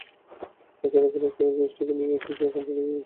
বাচ্চারা খেলার ছলে জিনিসটা নিয়ে এসেছে এখন ফিরিয়ে দিতে পারলেই বাঁচি।